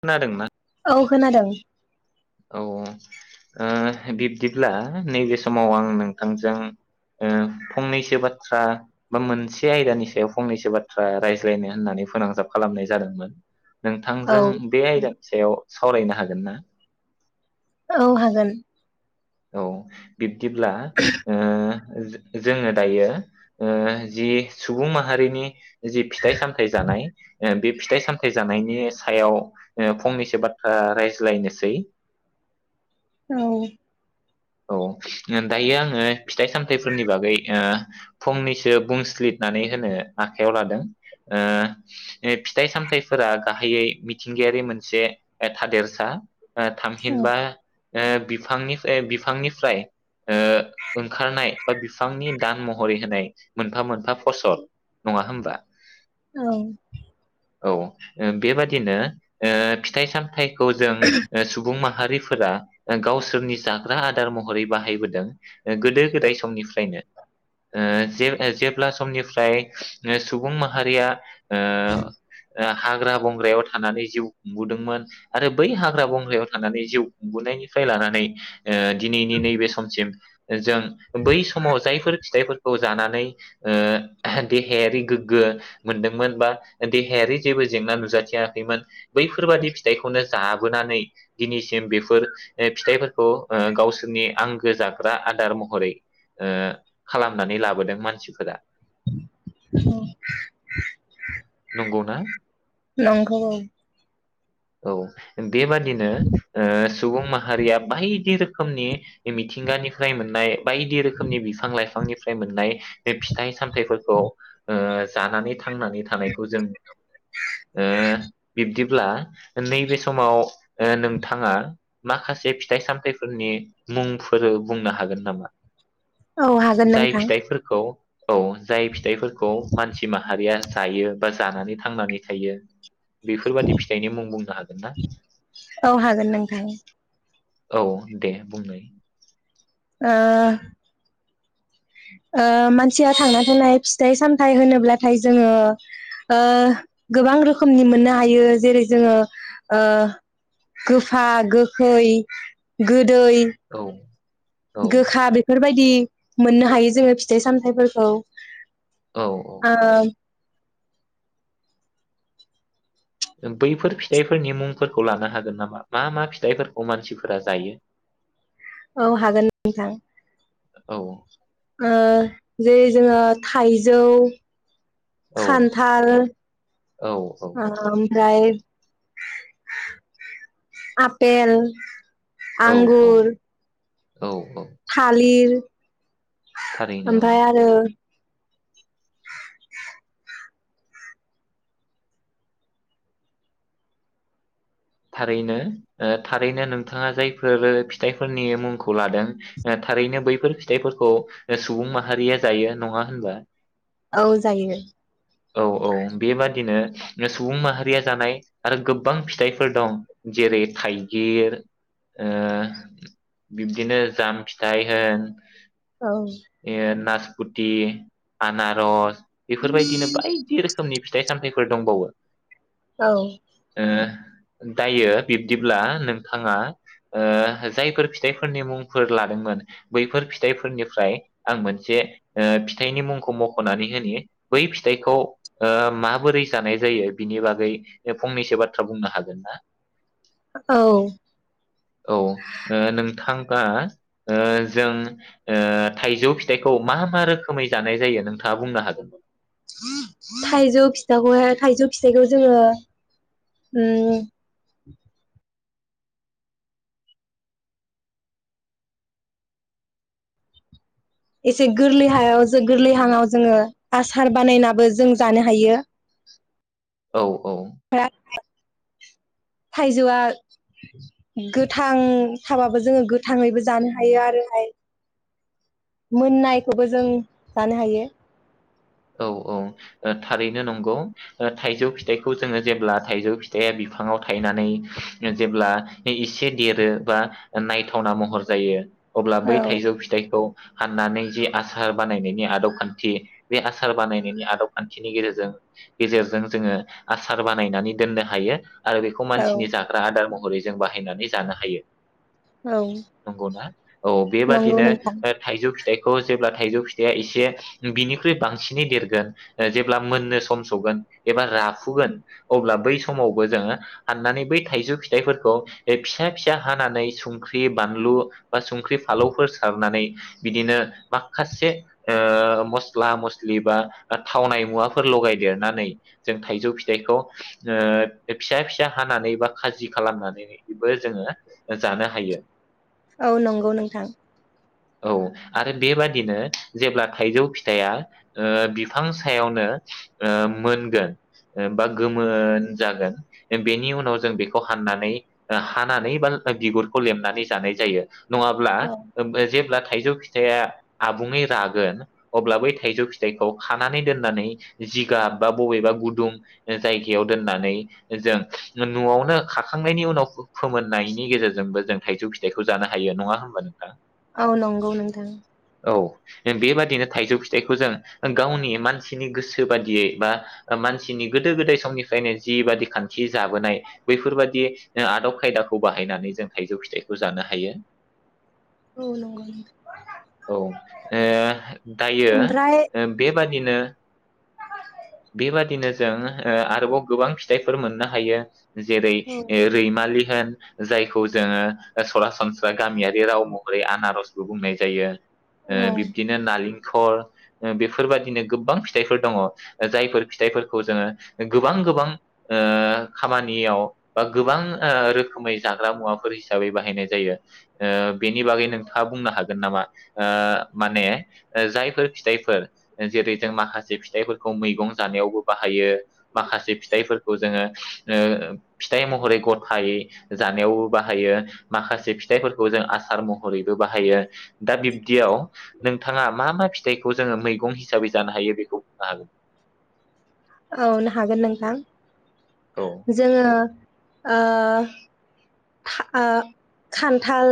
खोनादोंना? औ खोनादों। औ ओ बिब्दिब्ला नैबे समाव आं नोंथांजों फंनैसो बाथ्रा बा मोनसे आयदानि सायाव फंनैसो बाथ्रा रायज्लायनो होननानै फोनांजाब खालामनाय जादोंमोन? औ नोंथांजों बे आयदानि सायाव सावरायनो हागोन ना? औ हागोन। औ बि दिब्ला ओ जोङो दायो जि सुबुं माहारिनि जि फिथाइ सामथाय जानाय बे फिथाइ सामथाय जानायनि सायाव फंनैसो बाथ्रा रायज्लायनोसै। औ औ दायो आङो फिथाइ सामथायाइफोरनि बागै ओ फंनैसो बुंसलिदनानै होनो आखायाव लादों ओ फिथाइ सामथायाइफोरा गाहायै मिथिंगायारि मोनसे थादेरसा। औ थामहिनबा ओ बिफांनिफ्राय बिफांनिफ्राय ओ ओंखारनाय बा बिफांनि दान महरै होनाय मोनफा मोनफा फसल नङा होमबा? औ औ बेबादिनो फिथाइ साम जायखौ जों सुबुं माहा माहारिफोरा गावसोरनि जा हाग्रा आदार महरै बाहायबोदों। गोदो गोदाय समनिफ्रायनो ओ जे जेब्ला समनिफ्राय सुबुं माहारिया ओ हाग्रा बंग्रायाव थानानै जिउ खुंबोदोंमोन आरो बै हाग्रा बंग्रायाव थानानै जिउ खुंबोननायनिफ्राय लानानै दिनैनि नैबे समसिम जों बै समाव जायफोर फिथाइफोरखौ जानानै देहायारि गोग्गो मोनदोंमोन बा देहायारि जेबो जेंना नुजाथियाखैमोन बैफोरबादि फिथाइखौनो जाबोनानै दिनैसिम बेफोर फिथाइफोरखौ गावसोरनि आंगो जाग्रा आदार महरै खालामनानै लाबोदों मानसिफोरा। नंगौना नंगौ। औ बेबादिनो सुबुं माहारिया बायदि रोखोमनि मिथिंगानिफ्राय मोननाय बायदि रोखोमनि बिफां लाइफांनिफ्राय मोननाय बे फिथाइ सामथफोरखौ जानानै थांनानै थानायखौ जों नुनो मोनो ओ बिब्दिब्ला नैबे समाव नोंथाङा माखासे फिथाइ सामथाइफोरनि मुंफोर बुंनो हागोन नामा? औ हागोन जाय नोंथां फिथाइफोरखौ औ जाय फिथाइफोरखौ मानसि माहारिया जायो बा जानानै थांनानै थायो बेफोरबादि फिथाइनि मुं बुं औ हागोन नोंथां औ दे बुंलाय मानसिया थांना थानाय फिथाइ सामथायाइ होनोब्लाथाय जोङो गोबां रोखोमनि मोननो हायो जेरै जोङो गोफा गोगखै गो दैै औ औ गोखा बेफोरबायदि मोननो हायो जोङो फिथाइ सामथफोरखौ ओ औ औ बैफोर फिथाइफोरनि मुंफोरखौ लानो हागोन नामा मा मा फिथाइफोरखौ मानसिफोरा जायो? औ हागोन नोंथां। औ जे जोङो थाइजौ औ खान्थाल औ औ ओमफ्राय आपेल औ औ आंगुर औ औ थालिर। थारैनो औ ओमफाय आरो थारैनो ओ थारैनो नोंथाङा जायफोर फिथाइफोरनि मुंखौ लादों ओ थारैनो बैफोर फिथाइफोरखौ सुबुं माहारिया जायो नङा होनबा? औ जायो। औ औ बेबादिनो सुबुं माहारिया जानाय आरो गोबां फिथाइ फोर दं जेरै थाइगिर ओ बिब्दिनो जाम फिथाइ होन औ ए नास फुथि आनारस बेफोरबायदिनो बायदि रोखोमनि फिथाइ सामथायाइ फोर दंबावो। औ। ओ दायो बिब्दिब्ला नोंथाङा ओ जायफोर फिथाइफोरनि मुंफोर लादोंमोन बैफोर फिथाइफोरनिफ्राय आं मोनसे ओ फिथाइनि मुंखौ मख'नानै होननि बै फिथाइखौ ओ माबोरै जानाय जायो बिनि बागै फंनैसो बाथ्रा बुंनो हागोन। [unintelligible] औ औ ओ नोंथां बा ओ जों ओ थाइजौ फिथाइखौ मा मा रोखोमै जानाय जायो नोंथाङा बुंनो हागोन। थाइजौ फिथाखौहाय थाइजौ फिथाइखौ जोङो उम एसे गोरलै हायाव जो गोरलैहांआव जोङो आसार बानायनाबो जों जानो हायो। औ। औ [unintelligible] थाइजौआ गोथां थाबाबो जोङो गोथाङैबो जानो हायो आरोहाय मोननायखौबो जों जानो हायो। औ औ ओ थारैनो नंगौ ओ थाइजौ फिथाइखौ जोङो जेब्ला थाइजौ फिथाइया बिफाङाव थायनानै जेब्ला एसे देरो बा नायथावना महर जायो अब्ला बै औ थाइजौ फिथाइखौ हाननानै जि आसार बानायनायनि आदब खान्थि बे आसार बानायनायनि आदब खान्थिनि गेजेरजों गेजेरजों जोङो आसार बानायनानै दोननो हायो। आरो बेखौ औ मानसिनि जाग्रा आदार महरै जों बाहायनानै जानो हायो। औ नंगौना औ नंगौ बेबादिनो नोंथां ओ थाइजौ फिथाइखौ जेब्ला थाइजौ फिथाइआ एसे बिनि बांसिनै देरगोन जेब्ला मोननो सम सौगोन एबा रा फुगोन अब्ला बै समावबो जोङो हाननानै बै थाइजौ फिथाइफोरखौ फिसा फिसा हानानै संख्रि बानलु बा संख्रि फालौफोर सारनानै बिदिनो माखासे ओ मस स्ला मस्लि बा थावनाय मुवाफोर लगायदेरनानै जों थाइजौ फिथाइखौ ओ फिसा फिसा हानानै बा खाजि खालामनानैबो जोङो जानो हायो। औ नंगौ नोंथां। औ आरो बेबादिनो जेब्ला थाइजौ फिस फिथाइआ ओ बिफां सायावनो ओ मोनगोन बा गोमोन जागोन। बेनि उनाव जों बेखौ हाननानै हानानै बा बिगुरखौ लेमनानै जानाय जायो। नङाब्ला औ ओम जेब्ला थाइजौ फिथाइया आबुङै रागोन अब्ला बै थाइजौ फिथाइखौ खानानै दोननानै जिगाब बा बबेबा गुदुं जायगायाव दोननानै जों न'आवनो खाखांनायनि उनाव फो फोमोननायनि गेजेरजोंबो जों थाइजौ फिथाइखौ जानो हायो नङा होनबा नोंथां? औ नंगौ नोंथां। औ बेबाददिनो थाइजौ फिथाइखौ जों गावनि मानसिनि गोसो बादियै बा मानसिनि गोदो गोदाय समनिफ्रायनो जिबादि खान्थि जाबोनाय बैफोरबादि आदब खायदाखौ बाहायनानै जों थाइजौ फिथाइखौ जानो हायो। औ नंगौ नोंथां औ ओ दायो ओमफ्राय बे बेबादिनो जों आरोबाव गोबां फिथाइफोर मोननो हायो। जेरै रैमालि। होन जायखौ जोङो सरासनस्रा गामियारि राव महरै आनारसबो बुंनाय जायो। औ बिब्दिनो नालिं दैखर बेफोरबाददिनो गोबां फिथाइफोर दङ जायफोर फिथाइफोरखौ जोङो गोबां गोबां खामानियाव बा गोबां रोखोमै जाग्रा मुवाफोर हिसाबै बाहायनाय जायो। बेनि बागै नोंथाङा बुंनो हागोन नामा ओ माने जायफोर फिथाइफोर जेरै जों माखासे फिथाइफोरखौ मैगं जानायावबो बाहायो माखासे फिथाइफोरखौ जोङो फिथाइ महरै गथायै जानायावबो बाहायो माखासे फिथाइफोरखौ जों आसार महरैबो बाहायो दा बिब्दियाव नोंथां नोंथाङा मा मा फिथाइखौ जोङो मैगं हिसाबै जानो हायो बेखौ बुंनो हागोन? औ हागोन नोंथां। औ जोङो ओ ओ खान्थाल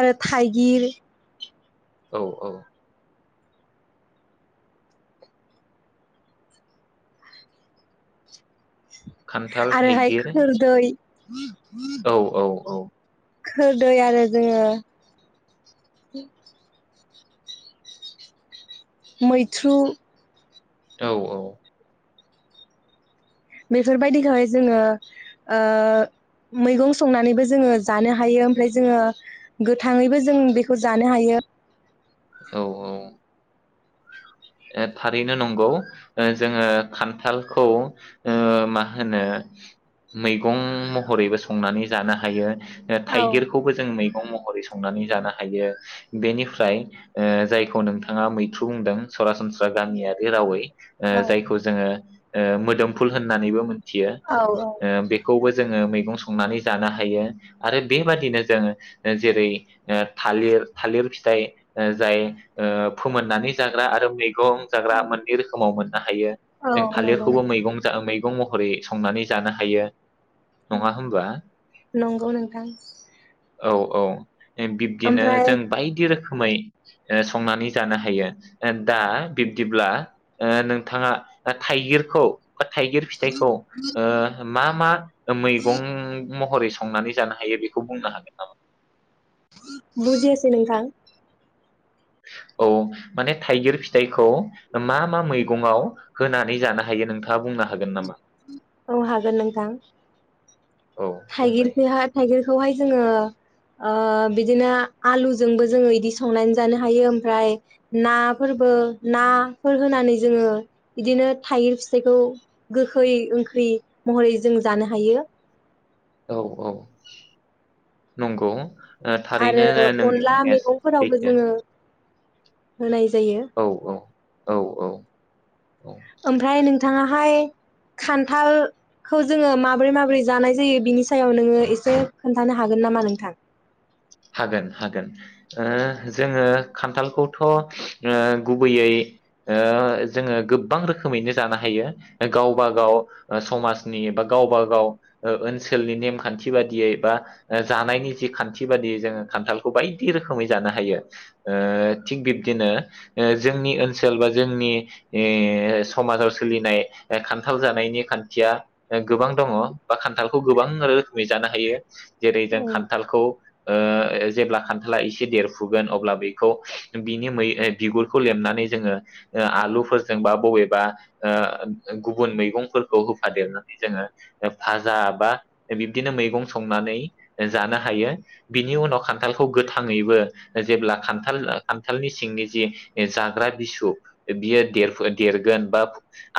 आरो थाइगिर। औ औ। खान्थाल आरोहाय थाइगिर खोरदै। [inaudible] औ औ औ। खोरदै आरो जोङो [inaudible] मैथ्रु। औ औ। बेफोरबायदिखौहाय जोङो मैगं संनानैबो जोङो जानो हायो ओमफ्राय जोङो गोथाङैबो जों बेखौ जानो हायो। औ औ। थारैनो नंगौ जोङो खान्थालखौ मा होनो मैगं महरैबो संनानै जानो हायो। औ थाइगिरखौबो जों न' महरै संनानै जानो हायो बेनिफ्राय जायखौ नोंथाङा मैथ्रु बुंदों। सरासनस्रा गामियारि रावै औ जायखौ जोङो। मोदोमफुल होननानैबो मोन मिथियो औ बे खौबो जोङो मैगं संनानै जानो हायो आरो बेबादिनो जोंङ जेरै थालिर थालिर फिथाइ जाय फोमोननानै ज फोमोना आरो मैगं जाग्रा मोननै रोखोमाव मोननो हायो। औ जों नंगौ थालिरखौबो नोंथां मैगं जा मो मैगं महरै संनानै जानो हायो। नङा होमबा? नंगौ नोंथां औ औ बे-बिब्दिनो ओमफ्राय जों बायदि रोखोमै ओ संनानै जानो हायो। [inaudible] दा बिब्दिब्ला ओ नोंथाङा थाइगिरखौ थाइगिर फिथाइखौ ओ मा मा मैगं महरै संनानै जानो हायो बेखौ बुंनो हागोन नामा? बुजियासै नोंथां औ माने थाइगिर फिथाइखौ मा मा मैगंआव होनानै जानो हायो नोंथाङा बुंनो हागोन नामा? औ हागोन नोंथां औ बुंनाय थाइगिरखोहाय थाइगिरखौहाय जोङो ओ बिदिनो आलुजोंबो जोङो इदि संनानै जानो हायो ओमफ्राय नाफोरबो नाफोर होनानै जोङो बिदिनो थाइगिर फिथाइखौ गोखै ओंख्रि महरै जों जानो हायो औ औ नंगौ थारैनो आरो नोंनि अनला बुंनाया मैगंफोरावबो सैथो जोङो होनाय जा औ औ औ औ औ ओमफ्राय नोंथाङाहाय खान्थालखौ जोङो माबोरै माबोरै जानाय जायो बिनि सायाव नोङो एसे खोन्थानो हागोन नामा नोंथां? हागोन हागोन ओ जोङो खान्थालखौथ' ओ गुबैयै ओ जोङो गोब्बां रोखोमैनो जानो हायो गावबा गाव समाजनि बा गावबा गाव ओ ओनसोलनि नेमखान्थि बादियै बा जानायनि जि खान्थि बादियै जोङो खान्थालखौ बायदि रोखोमै जानो हायो ओ थिग बिब्दिनो ओ जोंनि ओनसोल बो ओ जोंनि समाजाव सोलिनाय खान्थाल जानायनि खान्थिया गोबां दङ बा खान्थालखौ गोबां रोखोमै जानो हायो जेरै औ जों खान्थालखौ ओ जेब्ला खान्थाला एसे देरफुगोन अब्ला बेखौ बिनि मै ओ बिगुरखौ लेमनानै जोङो आलुफोरजों बा बबेबा ओ गुबुन मैगंफोरखौ होफादेरनानै जोङो फाजा बा बिब्दिनो मैगं संनानै जानो हायो बिनि उनाव खान्थालखौ गोथाङैबो जेब्ला खान्थाल ओ खान्थालनि सिंनि जि जाग्रा बिसु बियो देर देरगोन बा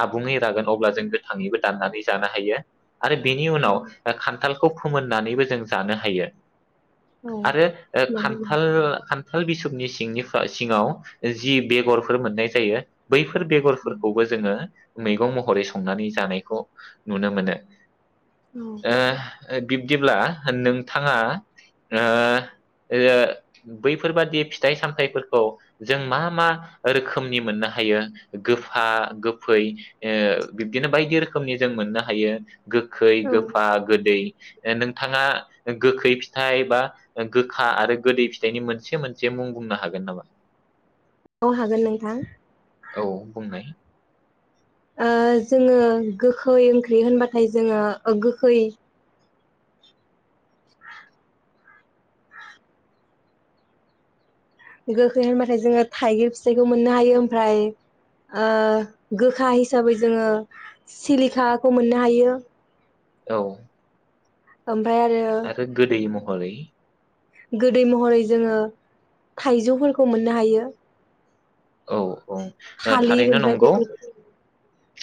आबुङै रागोन अब्ला जों गोथाङैबो दाननानै जानो हायो आरो बिनि औ उनाव खान्थाल खौ फोमोननानैबो जों जानो हायो औ आरो नंगौ। खान्थाल खान्थाल बिसबनि सिंगनि सिङाव जि बेगरफोर मोननाय जायो बैफोर बेगरफोरखौबो जोङो मैगं महरै संनानै जानायखौ नुनो मोनो। औ ओ ओ बिब्दिब्ला नोंथाङा ओ बैफोरबादि फिथाइ सामथाइफोरखौ जों मा मा रोखोमनि मोननो हायो गोफा गोफै ओ बिब्दिनो बायदि रोखोमनि जों मोननो हायो गोखै औ गोफा गोदै नोंथाङा गोखै फि थाइ बा ओ गोखा आरो गोदै फिथाइनि मोनसे मोनसे मुं बुंनो हागोन नामा? औ हागोन नोंथां। औ बुंनाय। ओ जोङो गोखै ओंख्रि होनबाथाय जोङो गोखै गोखै होनबाथाय जोङो थाइगिर फिथाइखौ मोननो हायो ओमफ्राय ओ गोखा हिसाबै जोङो सिलिखाखौ मोननो हायो। औ। ओम आरो गोदै हरै गोदै महरै जोङो थाइजौफोरखौ मोननो हायो। औ। औ थालिर थारैनो ओमफ्राय नंगौ बेफोर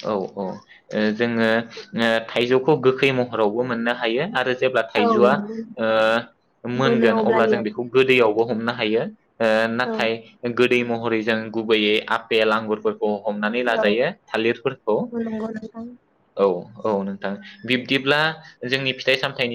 औ औ ओ जोङो ओ थाइजौखौ गोखै महरावबो मोननो हायो आरो जेब्ला औ थाइजौआ नंगौ ओ मोनो मोनगोन अब्ला जों अब्लानिया बेखौ गोदैयाव [unintelligible] हमनो हायो। ओ औ नाथाय गोद दै महरै जों गुबैयै आपेल आंगुरफोर खौ हमनानै लाजायो औ थालिरफोरखौ नंगौ नोंथां औ। औ नोंथां बिब्दिब्ला जोंनि फिथाइ सामथायनि